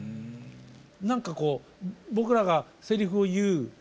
何かこう僕らがセリフを言う